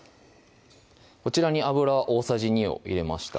こちらに油大さじ２を入れました